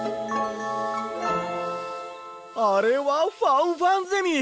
あれはファンファンゼミ！